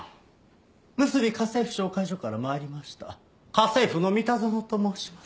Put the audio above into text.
むすび家政婦紹介所から参りました家政夫の三田園と申します。